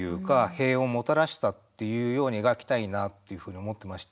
平穏をもたらしたっていうように描きたいなと思っていまして